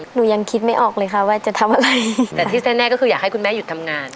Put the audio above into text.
หนูยังคิดไม่ออกเลยค่ะว่าจะทำอะไรแต่ที่แน่ก็คืออยากให้คุณแม่หยุดทำงาน